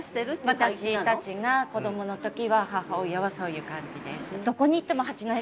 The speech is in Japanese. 私たちが子どもの時は母親はそういう感じでした。